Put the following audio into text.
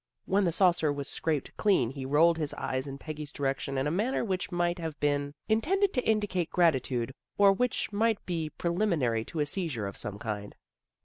When the saucer was scraped clean he rolled his eyes in Peggy's direction in a manner which might have been intended to indicate gratitude, or which might be preliminary to a seizure of some kind.